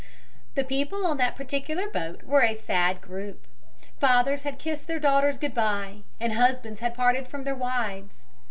The people on that particular boat were a sad group. Fathers had kissed their daughters good bye and husbands had parted from their wives.